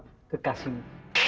dia memang patience